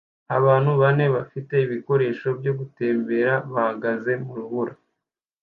Abantu bane bafite ibikoresho byo gutembera bahagaze mu rubura